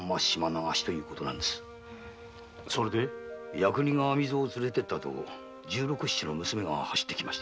役人が網蔵を連れてった後十六七の娘が走ってきました。